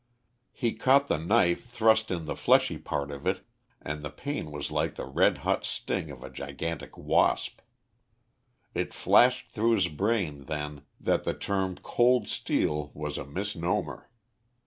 He caught the knife thrust in the fleshy part of it, and the pain was like the red hot sting of a gigantic wasp. It flashed through his brain then that the term cold steel was a misnomer.